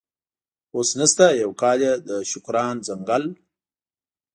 اوس نشته، یو کال یې د شوکران ځنګل.